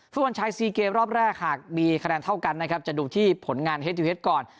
ฟุตบอลชายซีเกมรอบแรกหากมีคะแนนเท่ากันนะครับจะดูที่ผลงานเฮติเวทก่อน